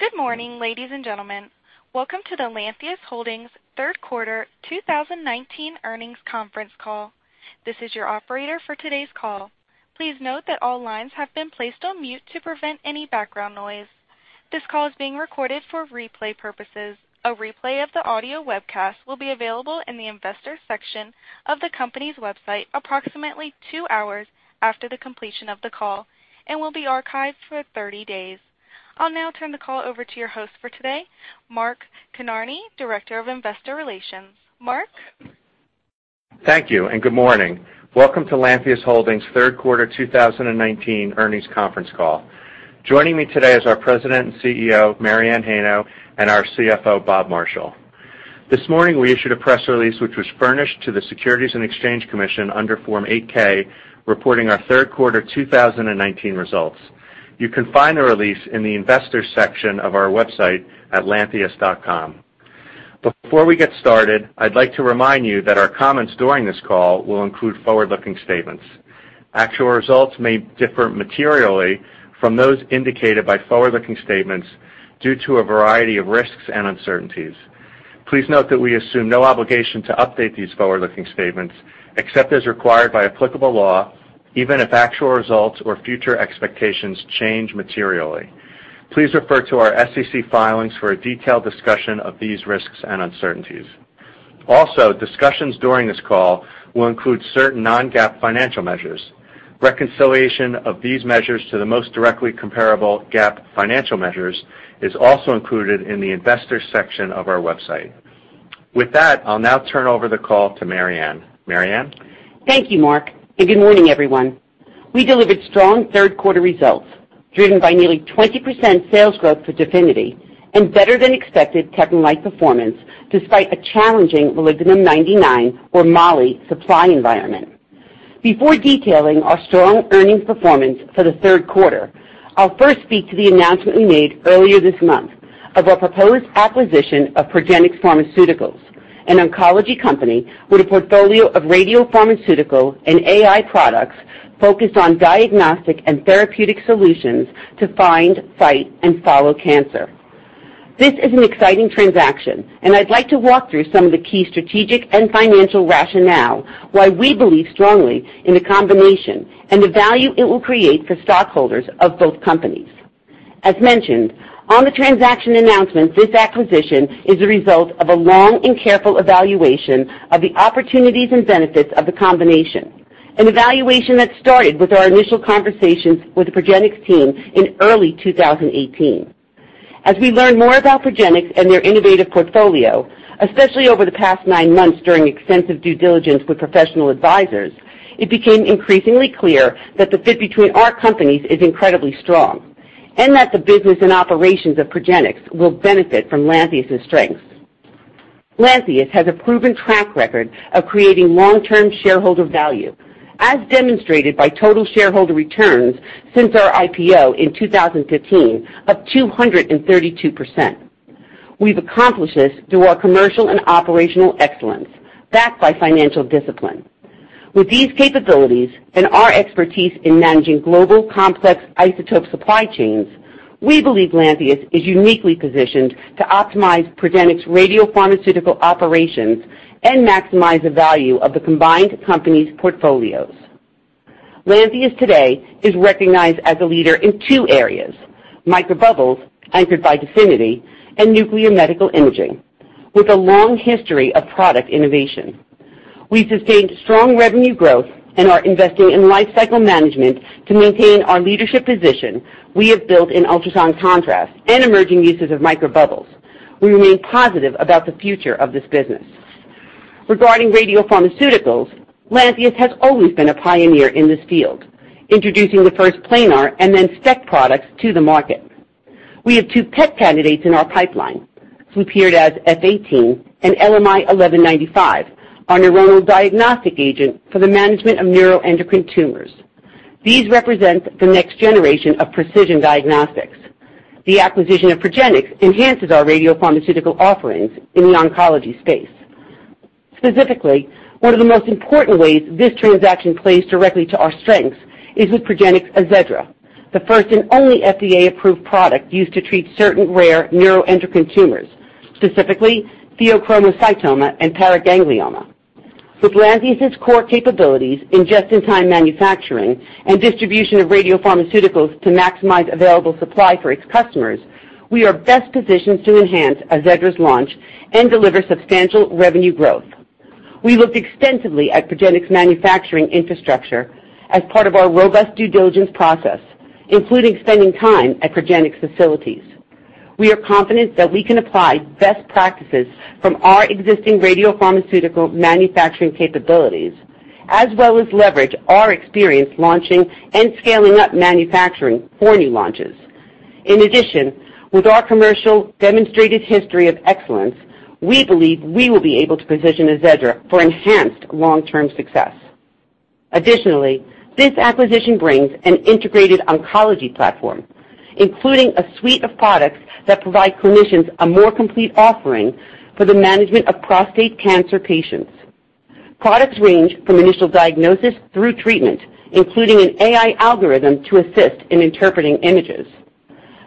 Good morning, ladies and gentlemen. Welcome to the Lantheus Holdings third quarter 2019 earnings conference call. This is your operator for today's call. Please note that all lines have been placed on mute to prevent any background noise. This call is being recorded for replay purposes. A replay of the audio webcast will be available in the Investors section of the company's website approximately two hours after the completion of the call and will be archived for 30 days. I'll now turn the call over to your host for today, Mark Kinarney, Director of Investor Relations. Mark? Thank you, and good morning. Welcome to Lantheus Holdings' third quarter 2019 earnings conference call. Joining me today is our President and CEO, Mary Anne Heino, and our CFO, Bob Marshall. This morning, we issued a press release, which was furnished to the Securities and Exchange Commission under Form 8-K, reporting our third quarter 2019 results. You can find the release in the Investors section of our website at lantheus.com. Before we get started, I'd like to remind you that our comments during this call will include forward-looking statements. Actual results may differ materially from those indicated by forward-looking statements due to a variety of risks and uncertainties. Please note that we assume no obligation to update these forward-looking statements except as required by applicable law, even if actual results or future expectations change materially. Please refer to our SEC filings for a detailed discussion of these risks and uncertainties. Discussions during this call will include certain non-GAAP financial measures. Reconciliation of these measures to the most directly comparable GAAP financial measures is also included in the Investors section of our website. With that, I'll now turn over the call to Mary Anne. Mary Anne? Thank you, Mark, and good morning, everyone. We delivered strong third-quarter results driven by nearly 20% sales growth for DEFINITY and better-than-expected TechneLite performance despite a challenging molybdenum-99, or moly, supply environment. Before detailing our strong earnings performance for the third quarter, I'll first speak to the announcement we made earlier this month of our proposed acquisition of Progenics Pharmaceuticals, an oncology company with a portfolio of radiopharmaceutical and AI products focused on diagnostic and therapeutic solutions to find, fight, and follow cancer. This is an exciting transaction, and I'd like to walk through some of the key strategic and financial rationale why we believe strongly in the combination and the value it will create for stockholders of both companies. As mentioned on the transaction announcement, this acquisition is the result of a long and careful evaluation of the opportunities and benefits of the combination, an evaluation that started with our initial conversations with the Progenics team in early 2018. As we learned more about Progenics and their innovative portfolio, especially over the past nine months during extensive due diligence with professional advisors, it became increasingly clear that the fit between our companies is incredibly strong and that the business and operations of Progenics will benefit from Lantheus's strengths. Lantheus has a proven track record of creating long-term shareholder value, as demonstrated by total shareholder returns since our IPO in 2015 of 232%. We've accomplished this through our commercial and operational excellence backed by financial discipline. With these capabilities and our expertise in managing global complex isotope supply chains, we believe Lantheus is uniquely positioned to optimize Progenics radiopharmaceutical operations and maximize the value of the combined companies' portfolios. Lantheus today is recognized as a leader in two areas: microbubbles, anchored by DEFINITY, and nuclear medical imaging, with a long history of product innovation. We've sustained strong revenue growth and are investing in lifecycle management to maintain our leadership position we have built in ultrasound contrast and emerging uses of microbubbles. We remain positive about the future of this business. Regarding radiopharmaceuticals, Lantheus has always been a pioneer in this field, introducing the first planar and then SPECT products to the market. We have two PET candidates in our pipeline, flurpiridaz F-18 and LMI1195, our neuronal diagnostic agent for the management of neuroendocrine tumors. These represent the next generation of precision diagnostics. The acquisition of Progenics enhances our radiopharmaceutical offerings in the oncology space. Specifically, one of the most important ways this transaction plays directly to our strengths is with Progenics' AZEDRA, the first and only FDA-approved product used to treat certain rare neuroendocrine tumors, specifically pheochromocytoma and paraganglioma. With Lantheus's core capabilities in just-in-time manufacturing and distribution of radiopharmaceuticals to maximize available supply for its customers, we are best positioned to enhance AZEDRA's launch and deliver substantial revenue growth. We looked extensively at Progenics' manufacturing infrastructure as part of our robust due diligence process, including spending time at Progenics facilities. We are confident that we can apply best practices from our existing radiopharmaceutical manufacturing capabilities, as well as leverage our experience launching and scaling up manufacturing for new launches. In addition, with our commercial demonstrated history of excellence, we believe we will be able to position AZEDRA for enhanced long-term success. Additionally, this acquisition brings an integrated oncology platform, including a suite of products that provide clinicians a more complete offering for the management of prostate cancer patients. Products range from initial diagnosis through treatment, including an AI algorithm to assist in interpreting images.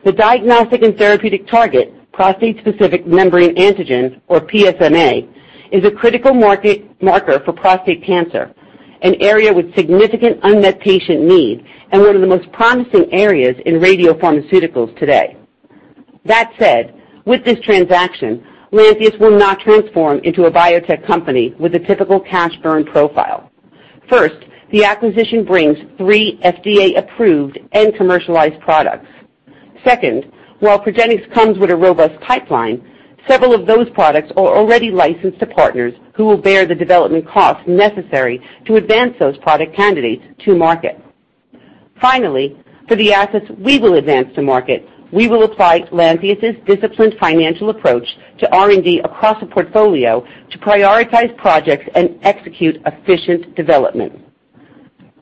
The diagnostic and therapeutic target, prostate-specific membrane antigen, or PSMA, is a critical marker for prostate cancer, an area with significant unmet patient need and one of the most promising areas in radiopharmaceuticals today. That said, with this transaction, Lantheus will not transform into a biotech company with a typical cash burn profile. First, the acquisition brings three FDA-approved and commercialized products. Second, while Progenics comes with a robust pipeline, several of those products are already licensed to partners who will bear the development costs necessary to advance those product candidates to market. Finally, for the assets we will advance to market, we will apply Lantheus's disciplined financial approach to R&D across the portfolio to prioritize projects and execute efficient development.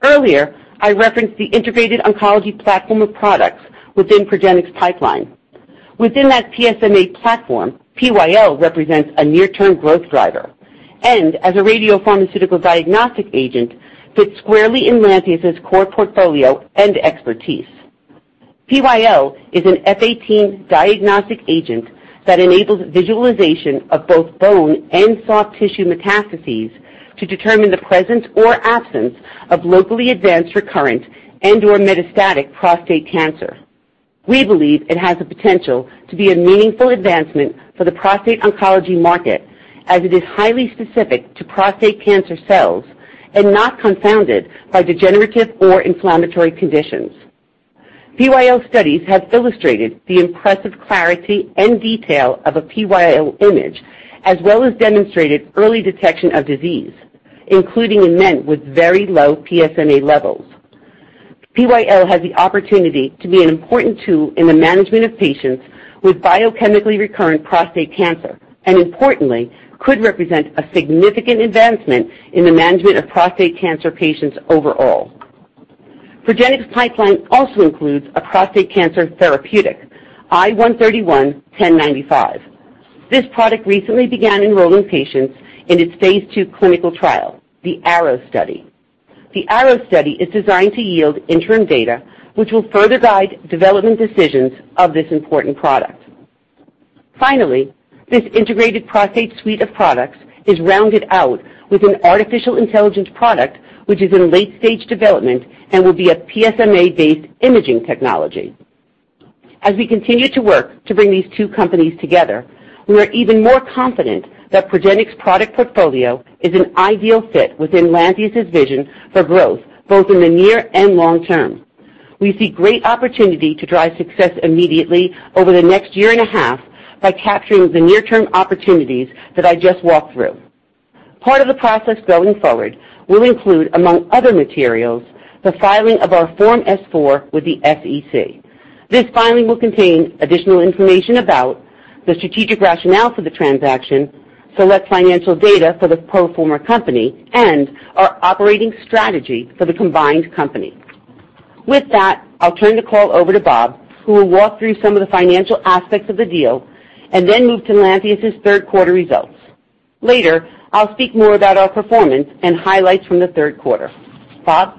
Earlier, I referenced the integrated oncology platform of products within Progenics' pipeline. Within that PSMA platform, PyL represents a near-term growth driver and, as a radiopharmaceutical diagnostic agent, fits squarely in Lantheus's core portfolio and expertise. PyL is an F-18 diagnostic agent that enables visualization of both bone and soft tissue metastases to determine the presence or absence of locally advanced, recurrent, and/or metastatic prostate cancer. We believe it has the potential to be a meaningful advancement for the prostate oncology market, as it is highly specific to prostate cancer cells and not confounded by degenerative or inflammatory conditions. PyL studies have illustrated the impressive clarity and detail of a PyL image, as well as demonstrated early detection of disease, including in men with very low PSMA levels. PyL has the opportunity to be an important tool in the management of patients with biochemically recurrent prostate cancer and, importantly, could represent a significant advancement in the management of prostate cancer patients overall. Progenics' pipeline also includes a prostate cancer therapeutic, I-131 1095. This product recently began enrolling patients in its phase II clinical trial, the ARROW study. The ARROW study is designed to yield interim data, which will further guide development decisions of this important product. Finally, this integrated prostate suite of products is rounded out with an artificial intelligence product, which is in late-stage development and will be a PSMA-based imaging technology. As we continue to work to bring these two companies together, we are even more confident that Progenics' product portfolio is an ideal fit within Lantheus's vision for growth, both in the near and long term. We see great opportunity to drive success immediately over the next year and a half by capturing the near-term opportunities that I just walked through. Part of the process going forward will include, among other materials, the filing of our Form S-4 with the SEC. This filing will contain additional information about the strategic rationale for the transaction, select financial data for the pro forma company, and our operating strategy for the combined company. With that, I'll turn the call over to Bob, who will walk through some of the financial aspects of the deal and then move to Lantheus's third quarter results. Later, I'll speak more about our performance and highlights from the third quarter. Bob?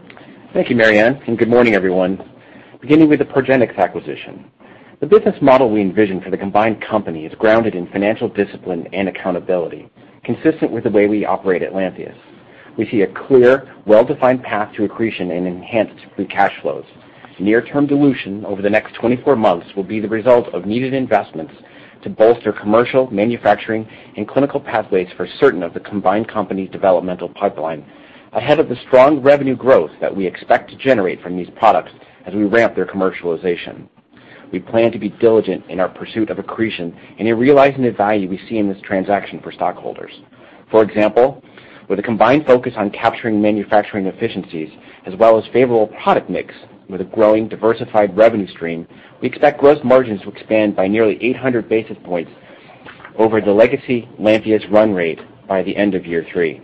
Thank you, Mary Anne, and good morning, everyone. Beginning with the Progenics acquisition. The business model we envision for the combined company is grounded in financial discipline and accountability, consistent with the way we operate at Lantheus. We see a clear, well-defined path to accretion and enhanced free cash flows. Near-term dilution over the next 24 months will be the result of needed investments to bolster commercial, manufacturing, and clinical pathways for certain of the combined company's developmental pipeline ahead of the strong revenue growth that we expect to generate from these products as we ramp their commercialization. We plan to be diligent in our pursuit of accretion and in realizing the value we see in this transaction for stockholders. For example, with a combined focus on capturing manufacturing efficiencies as well as favorable product mix with a growing diversified revenue stream, we expect gross margins to expand by nearly 800 basis points over the legacy Lantheus run rate by the end of year three.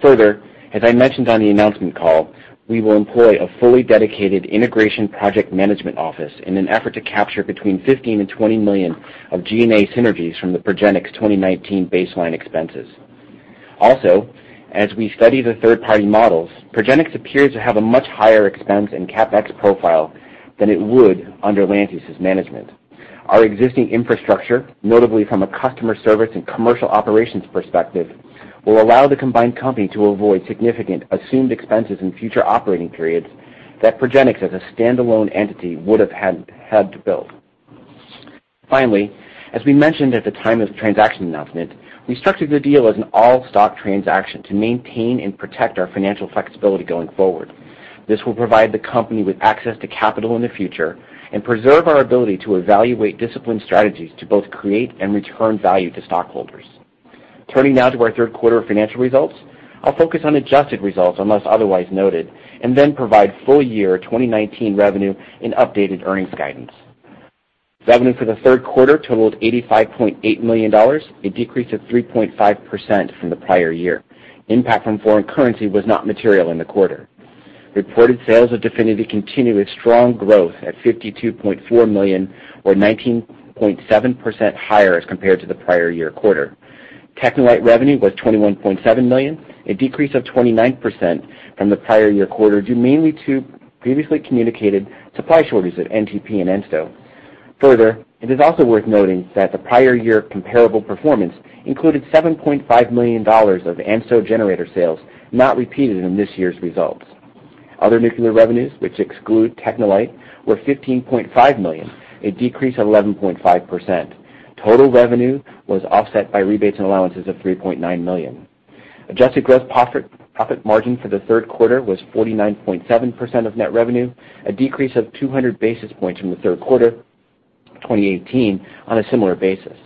Further, as I mentioned on the announcement call, we will employ a fully dedicated integration project management office in an effort to capture between $15 million and $20 million of G&A synergies from the Progenics 2019 baseline expenses. Also, as we study the third-party models, Progenics appears to have a much higher expense and CapEx profile than it would under Lantheus's management. Our existing infrastructure, notably from a customer service and commercial operations perspective, will allow the combined company to avoid significant assumed expenses in future operating periods that Progenics as a standalone entity would've had to build. As we mentioned at the time of the transaction announcement, we structured the deal as an all-stock transaction to maintain and protect our financial flexibility going forward. This will provide the company with access to capital in the future and preserve our ability to evaluate disciplined strategies to both create and return value to stockholders. Turning now to our third quarter financial results, I'll focus on adjusted results unless otherwise noted and then provide full year 2019 revenue and updated earnings guidance. Revenue for the third quarter totaled $85.8 million, a decrease of 3.5% from the prior year. Impact from foreign currency was not material in the quarter. Reported sales of DEFINITY continue its strong growth at $52.4 million, or 19.7% higher as compared to the prior year quarter. TechneLite revenue was $21.7 million, a decrease of 29% from the prior year quarter, due mainly to previously communicated supply shortages at NTP and ANSTO. Further, it is also worth noting that the prior year comparable performance included $7.5 million of ANSTO generator sales, not repeated in this year's results. Other nuclear revenues, which exclude TechneLite, were $15.5 million, a decrease of 11.5%. Total revenue was offset by rebates and allowances of $3.9 million. Adjusted gross profit margin for the third quarter was 49.7% of net revenue, a decrease of 200 basis points from the third quarter 2018 on a similar basis.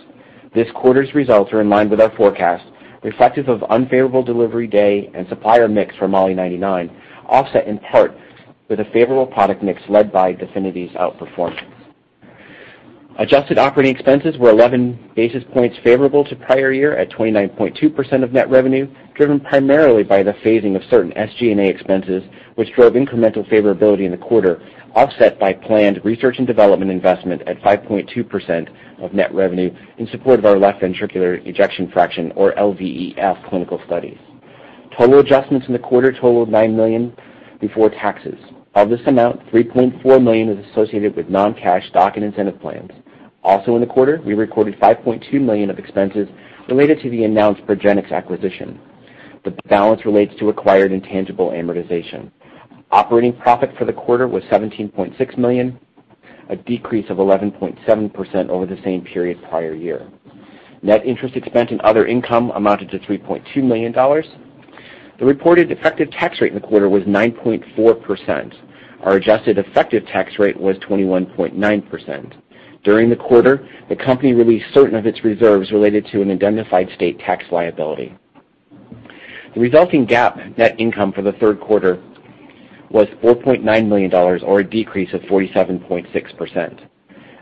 This quarter's results are in line with our forecast, reflective of unfavorable delivery day and supplier mix for Mo-99, offset in part with a favorable product mix led by DEFINITY's outperformance. Adjusted operating expenses were 11 basis points favorable to prior year at 29.2% of net revenue, driven primarily by the phasing of certain SG&A expenses, which drove incremental favorability in the quarter, offset by planned research and development investment at 5.2% of net revenue in support of our left ventricular ejection fraction, or LVEF, clinical studies. Total adjustments in the quarter totaled $9 million before taxes. Of this amount, $3.4 million was associated with non-cash stock and incentive plans. In the quarter, we recorded $5.2 million of expenses related to the announced Progenics acquisition. The balance relates to acquired intangible amortization. Operating profit for the quarter was $17.6 million, a decrease of 11.7% over the same period prior year. Net interest expense and other income amounted to $3.2 million. The reported effective tax rate in the quarter was 9.4%. Our adjusted effective tax rate was 21.9%. During the quarter, the company released certain of its reserves related to an indemnified state tax liability. The resulting GAAP net income for the third quarter was $4.9 million, or a decrease of 47.6%.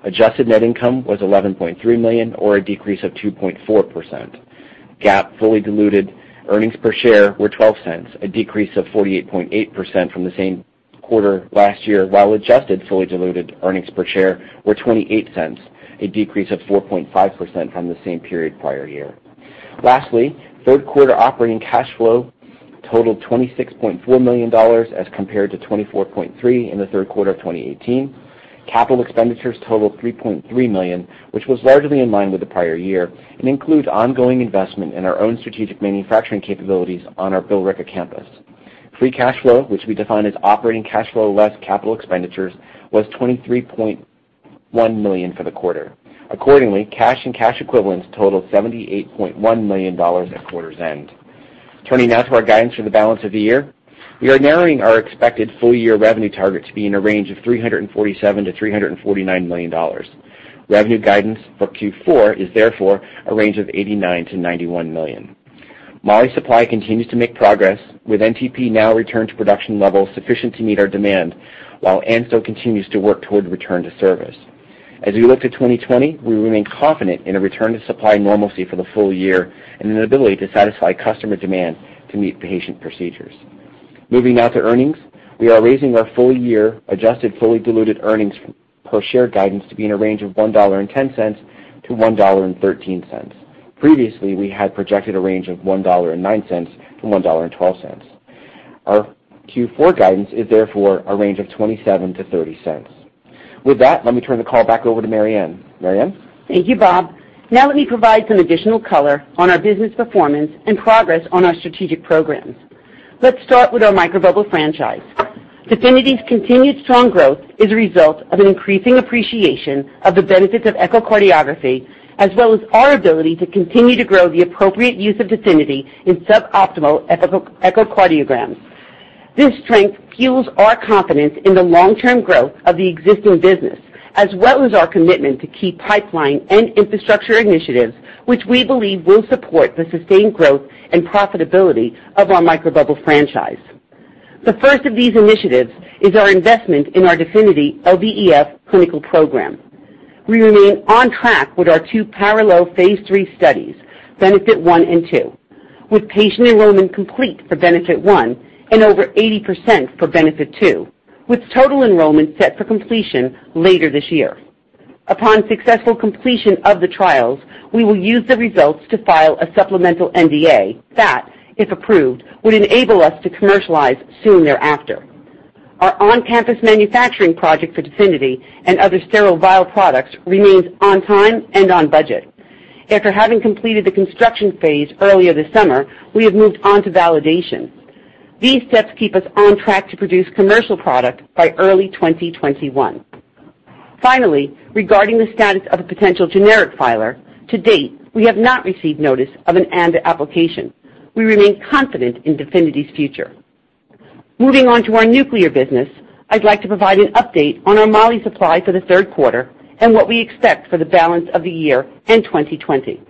Adjusted net income was $11.3 million, or a decrease of 2.4%. GAAP fully diluted earnings per share were $0.12, a decrease of 48.8% from the same quarter last year, while adjusted fully diluted earnings per share were $0.28, a decrease of 4.5% from the same period prior year. Lastly, third quarter operating cash flow totaled $26.4 million as compared to $24.3 million in the third quarter of 2018. Capital expenditures totaled $3.3 million, which was largely in line with the prior year, and includes ongoing investment in our own strategic manufacturing capabilities on our Billerica campus. Free cash flow, which we define as operating cash flow less capital expenditures, was $23.1 million for the quarter. Accordingly, cash and cash equivalents totaled $78.1 million at quarter's end. Turning now to our guidance for the balance of the year. We are narrowing our expected full year revenue target to be in a range of $347 million-$349 million. Revenue guidance for Q4 is therefore a range of $89 million-$91 million. Mo-99 supply continues to make progress, with NTP now returned to production levels sufficient to meet our demand, while ANSTO continues to work toward return to service. As we look to 2020, we remain confident in a return to supply normalcy for the full year and an ability to satisfy customer demand to meet patient procedures. Moving now to earnings. We are raising our full year adjusted fully diluted earnings per share guidance to be in a range of $1.10-$1.13. Previously, we had projected a range of $1.09-$1.12. Our Q4 guidance is therefore a range of $0.27-$0.30. With that, let me turn the call back over to Mary Anne. Mary Anne? Thank you, Bob. Let me provide some additional color on our business performance and progress on our strategic programs. Let's start with our microbubble franchise. DEFINITY's continued strong growth is a result of an increasing appreciation of the benefits of echocardiography, as well as our ability to continue to grow the appropriate use of DEFINITY in suboptimal echocardiograms. This strength fuels our confidence in the long-term growth of the existing business, as well as our commitment to key pipeline and infrastructure initiatives, which we believe will support the sustained growth and profitability of our microbubble franchise. The first of these initiatives is our investment in our DEFINITY LVEF clinical program. We remain on track with our two parallel phase III studies, BENEFIT-1 and 2, with patient enrollment complete for BENEFIT-1 and over 80% for BENEFIT-2, with total enrollment set for completion later this year. Upon successful completion of the trials, we will use the results to file a supplemental NDA that, if approved, would enable us to commercialize soon thereafter. Our on-campus manufacturing project for DEFINITY and other sterile vial products remains on time and on budget. After having completed the construction phase earlier this summer, we have moved on to validation. These steps keep us on track to produce commercial product by early 2021. Regarding the status of a potential generic filer, to date, we have not received notice of an ANDA application. We remain confident in DEFINITY's future. Moving on to our nuclear business, I'd like to provide an update on our moly supply for the third quarter and what we expect for the balance of the year and 2020.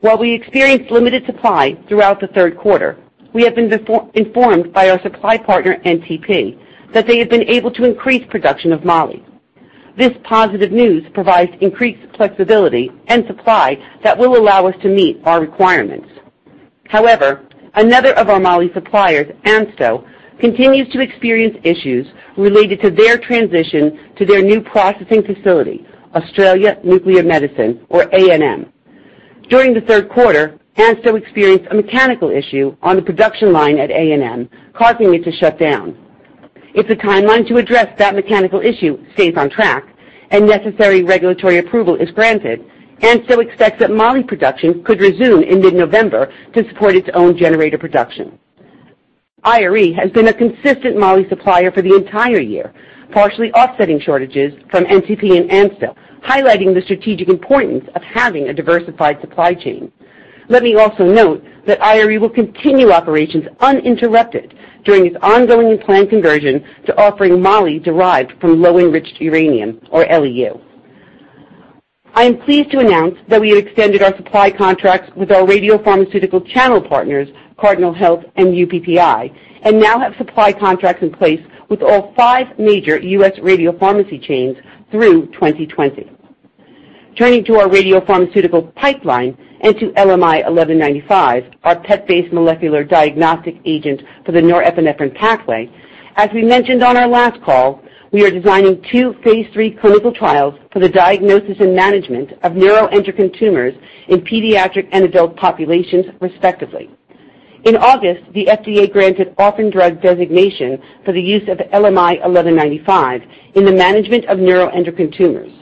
While we experienced limited supply throughout the third quarter, we have been informed by our supply partner, NTP, that they have been able to increase production of moly. This positive news provides increased flexibility and supply that will allow us to meet our requirements. Another of our moly suppliers, ANSTO, continues to experience issues related to their transition to their new processing facility, ANSTO Nuclear Medicine, or ANM. During the third quarter, ANSTO experienced a mechanical issue on the production line at ANM, causing it to shut down. If the timeline to address that mechanical issue stays on track and necessary regulatory approval is granted, ANSTO expects that moly production could resume in mid-November to support its own generator production. IRE has been a consistent moly supplier for the entire year, partially offsetting shortages from NTP and ANSTO, highlighting the strategic importance of having a diversified supply chain. Let me also note that IRE will continue operations uninterrupted during its ongoing plant conversion to offering moly derived from low-enriched uranium, or LEU. I am pleased to announce that we have extended our supply contracts with our radiopharmaceutical channel partners, Cardinal Health and UPPI, and now have supply contracts in place with all five major U.S. radiopharmacy chains through 2020. Turning to our radiopharmaceutical pipeline and to LMI1195, our PET-based molecular diagnostic agent for the norepinephrine pathway, as we mentioned on our last call, we are designing two phase III clinical trials for the diagnosis and management of neuroendocrine tumors in pediatric and adult populations respectively. In August, the FDA granted orphan drug designation for the use of LMI1195 in the management of neuroendocrine tumors.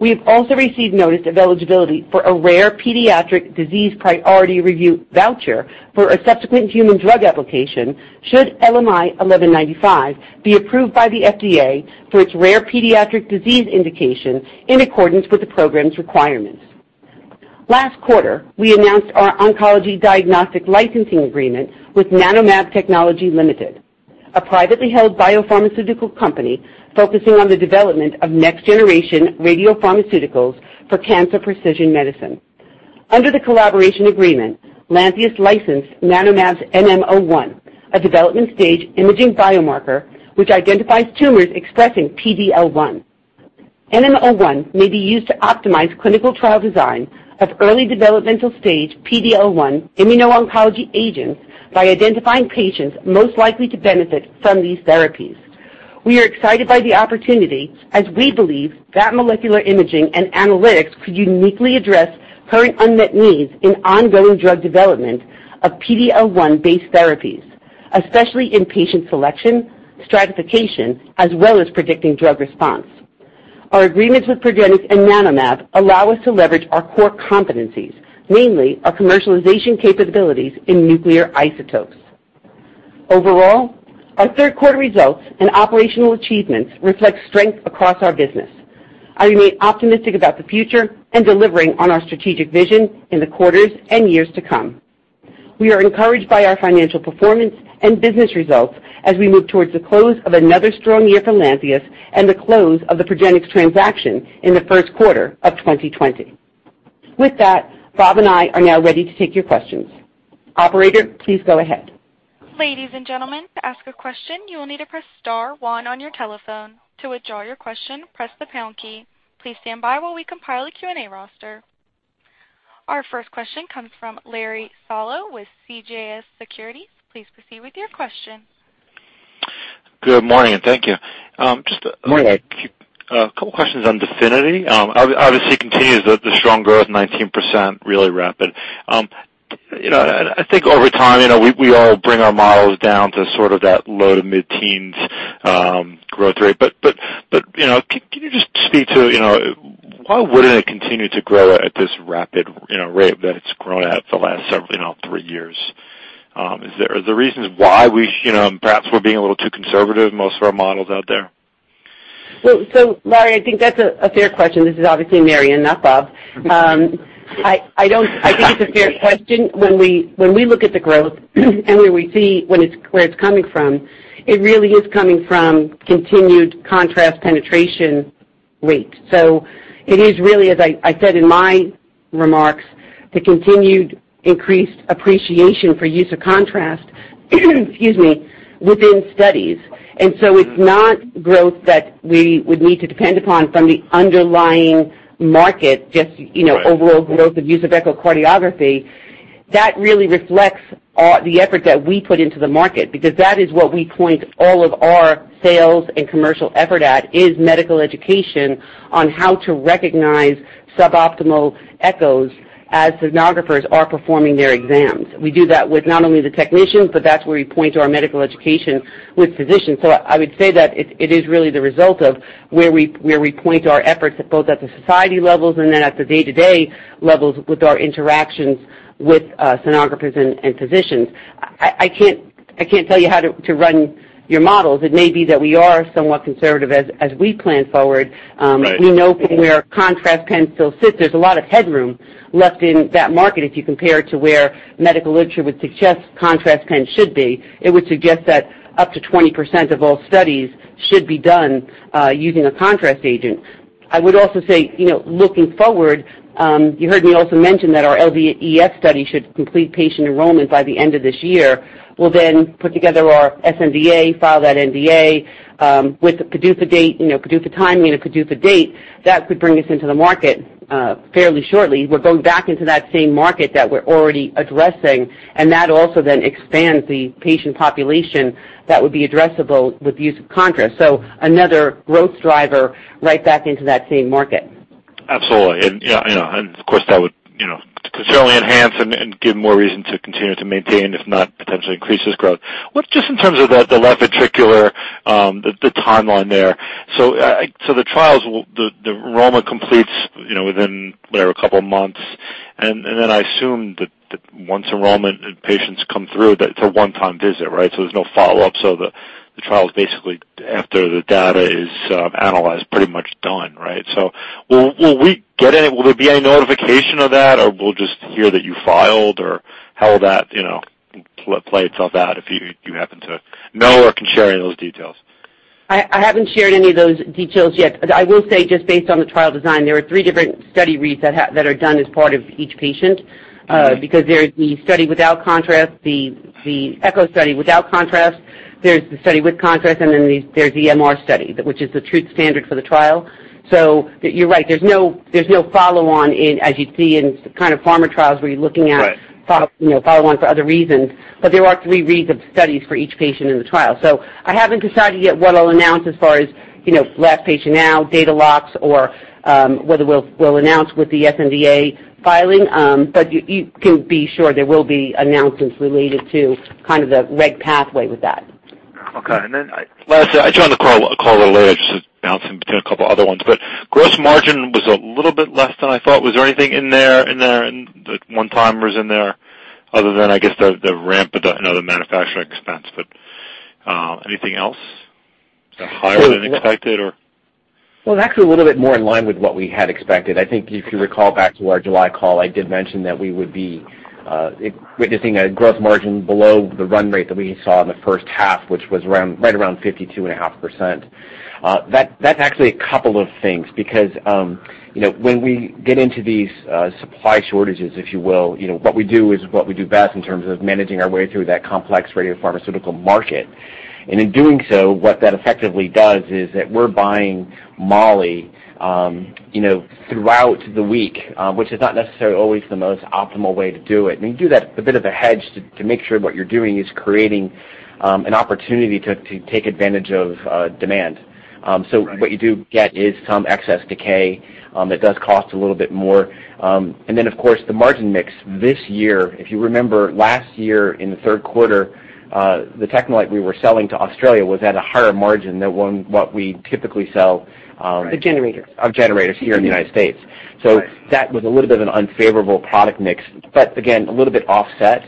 We have also received notice of eligibility for a rare pediatric disease priority review voucher for a subsequent human drug application, should LMI1195 be approved by the FDA for its rare pediatric disease indication in accordance with the program's requirements. Last quarter, we announced our oncology diagnostic licensing agreement with NanoMab Technology Limited, a privately held biopharmaceutical company focusing on the development of next-generation radiopharmaceuticals for cancer precision medicine. Under the collaboration agreement, Lantheus licensed NanoMab's NM-01, a development-stage imaging biomarker, which identifies tumors expressing PD-L1. NM-01 may be used to optimize clinical trial design of early developmental stage PD-L1 immuno-oncology agents by identifying patients most likely to benefit from these therapies. We are excited by the opportunity, as we believe that molecular imaging and analytics could uniquely address current unmet needs in ongoing drug development of PD-L1-based therapies, especially in patient selection, stratification, as well as predicting drug response. Our agreements with Progenics and NanoMab allow us to leverage our core competencies, mainly our commercialization capabilities in nuclear isotopes. Overall, our third quarter results and operational achievements reflect strength across our business. I remain optimistic about the future and delivering on our strategic vision in the quarters and years to come. We are encouraged by our financial performance and business results as we move towards the close of another strong year for Lantheus and the close of the Progenics transaction in the first quarter of 2020. With that, Bob and I are now ready to take your questions. Operator, please go ahead. Ladies and gentlemen, to ask a question, you will need to press star one on your telephone. To withdraw your question, press the pound key. Please stand by while we compile a Q&A roster. Our first question comes from Larry Solow with CJS Securities. Please proceed with your question. Good morning, and thank you. Good morning. Just a couple questions on DEFINITY. Obviously, it continues the strong growth, 19%, really rapid. I think over time, we all bring our models down to sort of that low to mid-teens growth rate. Can you just speak to why wouldn't it continue to grow at this rapid rate that it's grown at for the last three years? Are there reasons why perhaps we're being a little too conservative, most of our models out there? Larry, I think that's a fair question. This is obviously Mary and not Bob. I think it's a fair question. When we look at the growth and where we see where it's coming from, it really is coming from continued contrast penetration rate. It is really, as I said in my remarks, the continued increased appreciation for use of contrast within studies. It's not growth that we would need to depend upon from the underlying market, just overall growth of use of echocardiography. That really reflects the effort that we put into the market, because that is what we point all of our sales and commercial effort at, is medical education on how to recognize suboptimal echoes as sonographers are performing their exams. We do that with not only the technicians, but that's where we point to our medical education with physicians. I would say that it is really the result of where we point our efforts, both at the society levels and then at the day-to-day levels with our interactions with sonographers and physicians. I can't tell you how to run your models. It may be that we are somewhat conservative as we plan forward. Right. We know from where contrast still sits, there's a lot of headroom left in that market if you compare it to where medical literature would suggest contrast should be. It would suggest that up to 20% of all studies should be done using a contrast agent. I would also say, looking forward, you heard me also mention that our LVEF study should complete patient enrollment by the end of this year. We'll then put together our sNDA, file that NDA with the PDUFA date, PDUFA timing and PDUFA date. That could bring us into the market fairly shortly. That also then expands the patient population that would be addressable with the use of contrast. Another growth driver right back into that same market. Absolutely. Of course, that would certainly enhance and give more reason to continue to maintain, if not potentially increase this growth. Just in terms of the left ventricular, the timeline there. The trials, the enrollment completes within a couple of months, and then I assume that once enrollment and patients come through, that it's a one-time visit, right? There's no follow-up, so the trial's basically, after the data is analyzed, pretty much done, right? Will there be any notification of that, or we'll just hear that you filed, or how will that play itself out, if you happen to know or can share any of those details? I haven't shared any of those details yet. I will say, just based on the trial design, there are three different study reads that are done as part of each patient. There's the study without contrast, the echo study without contrast, there's the study with contrast, and then there's the MR study, which is the truth standard for the trial. You're right, there's no follow-on as you'd see in pharma trials. Right follow-ons for other reasons. There are three reads of studies for each patient in the trial. I haven't decided yet what I'll announce as far as last patient out, data locks, or whether we'll announce with the sNDA filing. You can be sure there will be announcements related to the reg pathway with that. Okay. Last, I joined the call a little later, just bouncing between a couple other ones, gross margin was a little bit less than I thought. Was there anything in there, that one-timers in there other than, I guess, the ramp and the manufacturing expense? Anything else higher than expected, or? Well, actually a little bit more in line with what we had expected. I think if you recall back to our July call, I did mention that we would be witnessing a gross margin below the run rate that we saw in the first half, which was right around 52.5%. That's actually a couple of things, because when we get into these supply shortages, if you will, what we do is what we do best in terms of managing our way through that complex radiopharmaceutical market. In doing so, what that effectively does is that we're buying moly throughout the week, which is not necessarily always the most optimal way to do it. You do that as a bit of a hedge to make sure what you're doing is creating an opportunity to take advantage of demand. Right. What you do get is some excess decay that does cost a little bit more. Of course, the margin mix this year, if you remember last year in the third quarter, the TechneLite we were selling to Australia was at a higher margin than what we typically sell. The generators. of generators here in the U.S. Right. That was a little bit of an unfavorable product mix. Again, a little bit offset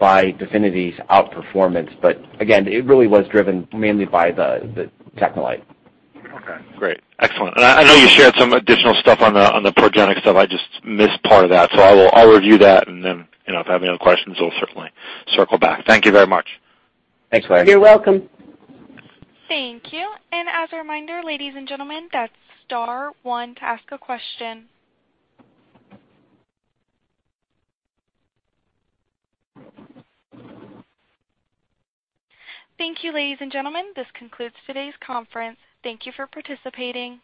by DEFINITY's outperformance. Again, it really was driven mainly by the TechneLite. Okay, great. Excellent. I know you shared some additional stuff on the Progenics stuff. I just missed part of that. I will review that, and then, if I have any other questions, I'll certainly circle back. Thank you very much. Thanks, Larry. You're welcome. Thank you. As a reminder, ladies and gentlemen, that's star one to ask a question. Thank you, ladies and gentlemen. This concludes today's conference. Thank you for participating.